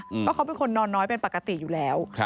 เพราะเขาเป็นคนนอนน้อยเป็นปกติอยู่แล้ว